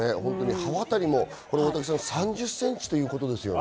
刃渡りも３０ｃｍということですよね。